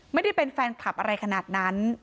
ไม่ได้เป็นแฟนคลับอะไรขนาดนั้น